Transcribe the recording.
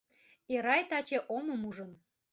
Эрай таче омым ужын.